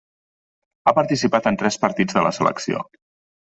Ha participat en tres partits de la selecció.